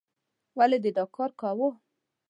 ولې دې دا کار کوو؟